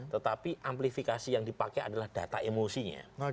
tetapi amplifikasi yang dipakai adalah data emosinya